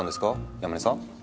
山根さん？